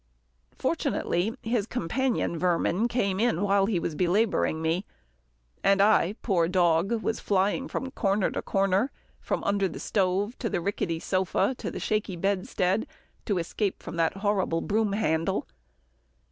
Fortunately, his companion vermin came in while he was belabouring me, and I, poor dog, was flying from corner to corner, from under the stove, to the rickety sofa, and the shaky bedstead, to escape the terrible broom handle.